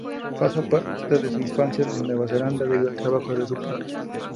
Pasó parte de su infancia en Nueva Zelanda debido al trabajo de su padre.